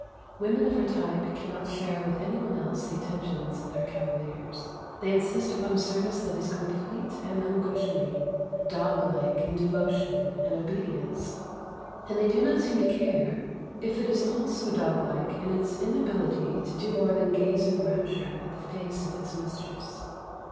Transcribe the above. Women of her type cannot share with any one else the attentions of their cavaliers; they insist upon a service that is complete and unquestioning, dog like in devotion and obedience; and they do not seem to care if it is also dog like in its inability to do more than gaze in rapture at the face of its mistress.